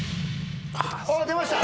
おっ出ました！